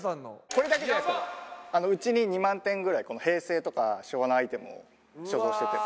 これだけじゃないですけどうちに２万点ぐらい平成とか昭和のアイテムを所蔵してて。